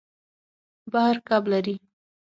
بحر کب لري.